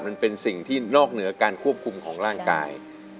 มันเป็นสิ่งที่นอกเหนือการควบคุมของร่างกาย